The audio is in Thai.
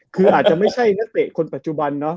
คืออาจจะไม่ใช่นักเตะคนปัจจุบันเนาะ